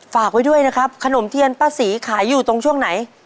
ฝากไว้ด้วยนะครับขนมเทียนป้าศรีขายอยู่ตรงช่วงไหน